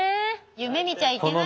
夢みちゃいけないんだ。